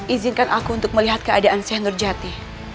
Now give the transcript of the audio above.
izinkan aku untuk melihat keadaan seher jati